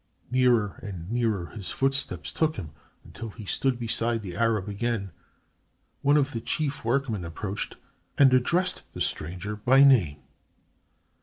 Nearer and nearer his footsteps took him, until he stood beside the Arab again. One of the chief workmen approached and addressed the stranger by name!